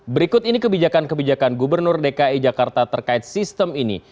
berikut ini kebijakan kebijakan gubernur dki jakarta terkait sistem ini